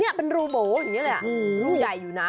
นี่เป็นรูโบ๋อย่างนี้เลยรูใหญ่อยู่นะ